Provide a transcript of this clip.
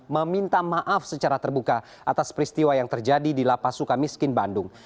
meminta maaf secara terbuka atas peristiwa yang terjadi di lapas suka miskin bandung